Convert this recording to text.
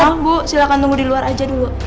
maaf bu silahkan tunggu di luar aja dulu